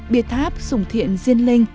bia tháp sùng thiện diên linh